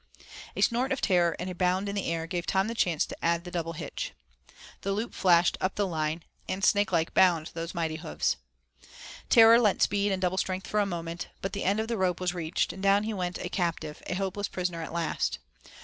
A snort of terror and a bound in the air gave Tom the chance to add the double hitch. The loop flashed up the line, and snake like bound those mighty hoofs. Terror lent speed and double strength for a moment, but the end of the rope was reached, and down he went a captive, a hopeless prisoner at last.